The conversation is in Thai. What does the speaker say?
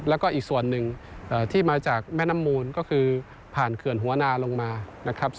แล้วก็อีกส่วนหนึ่งที่มาจากแม่น้ำมูลก็คือผ่านเขื่อนหัวนาลงมานะครับ